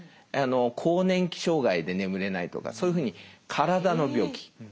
更年期障害で眠れないとかそういうふうに体の病気